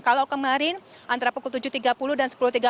kalau kemarin antara pukul tujuh tiga puluh dan sepuluh tiga puluh